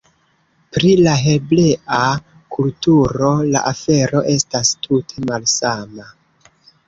Pri la hebrea kulturo, la afero estas tute malsama.